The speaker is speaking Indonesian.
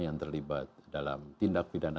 yang terlibat dalam tindak pidana